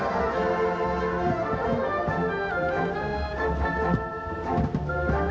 สวัสดีครับสวัสดีครับ